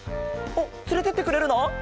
おっつれてってくれるの？